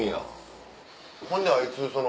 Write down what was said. ほんであいつその。